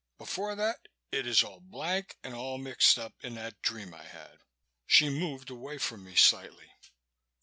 Before that it is all blank and all mixed up in that dream I had." She moved away from me, slightly.